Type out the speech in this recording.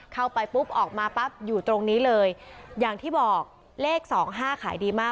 เข้าไปปุ๊บออกมาปั๊บอยู่ตรงนี้เลยอย่างที่บอกเลขสองห้าขายดีมาก